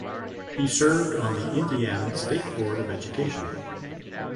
He served on the Indiana State Board of Education.